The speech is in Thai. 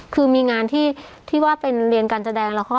คือมีงานที่ว่าเป็นเรียนการแสดงแล้ว